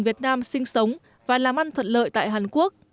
việt nam sinh sống và làm ăn thuận lợi tại hàn quốc